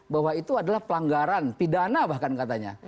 bahwa itu adalah pelanggaran pidana bahkan katanya